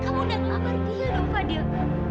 kamu udah ngelapar dia dong fadil